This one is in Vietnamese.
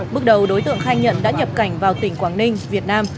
bước đầu đối tượng khai nhận đã nhập cảnh vào tỉnh quảng ninh việt nam